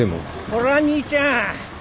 おら兄ちゃん！